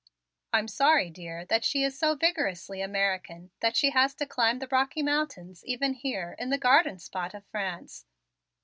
I'm sorry, dear, that she is so vigorously American that she has to climb the Rocky Mountains even here in the garden spot of France.